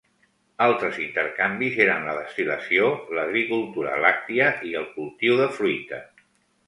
Altres intercanvis eren la destil·lació, l'agricultura làctia i el cultiu de fruita.